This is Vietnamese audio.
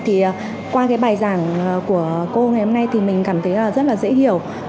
thì qua cái bài giảng của cô ngày hôm nay thì mình cảm thấy là rất là dễ hiểu